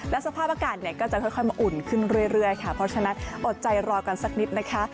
และสภาพอากาศเนี่ยก็จะค่อยมาอุ่นขึ้นเรื่อยค่ะเพราะฉะนั้นอดใจรอกันสักนิดนะคะ